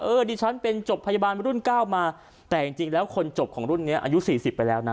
ดิฉันเป็นจบพยาบาลรุ่นเก้ามาแต่จริงแล้วคนจบของรุ่นนี้อายุสี่สิบไปแล้วนะ